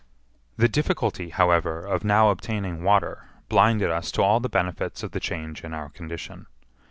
The difficulty, however, of now obtaining water blinded us to all the benefits of the change in our condition.